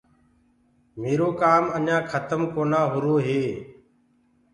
ميرو ڪآم اڃآ کتم ڪونآ هورو هي۔